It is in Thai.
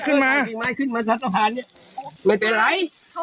เขาบอกว่าเขาไม่เป็นไร